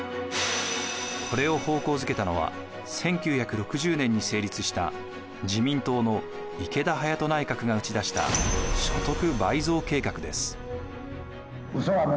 これを方向付けたのは１９６０年に成立した自民党の池田勇人内閣が打ち出した所得倍増計画です。